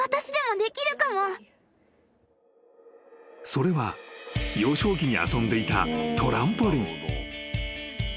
［それは幼少期に遊んでいたトランポリン］